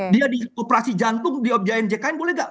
dia di operasi jantung di objeken jkn boleh gak